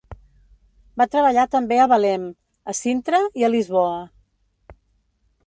Va treballar també a Belém, a Sintra i a Lisboa.